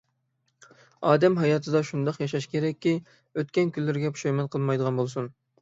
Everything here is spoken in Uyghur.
ئادەم ھاياتىدا شۇنداق ياشاش كېرەككى، ئۆتكەن كۈنلىرىگە پۇشايمان قىلمايدىغان بولسۇن!